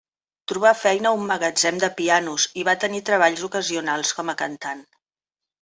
Trobà feina a un magatzem de pianos i va tenir treballs ocasionals com a cantant.